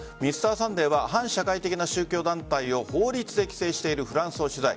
「Ｍｒ．サンデー」は反社会的な宗教団体を法律で規制しているフランスを取材。